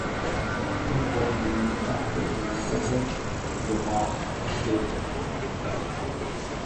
It was named after the neighborhood the mosque is.